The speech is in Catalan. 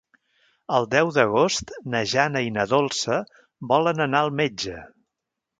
El deu d'agost na Jana i na Dolça volen anar al metge.